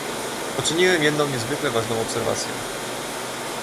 Poczyniłem jedną niezwykle ważną obserwację